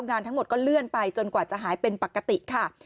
งานทั้งหมดก็เลื่อนไปจนกว่าจะหายเป็นปกติค่ะ